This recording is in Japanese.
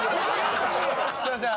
・すいません。